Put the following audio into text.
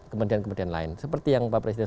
kementerian kementerian lain seperti yang pak presiden